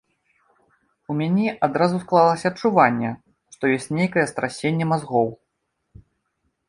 У мяне адразу склалася адчуванне, што ёсць нейкае страсенне мазгоў.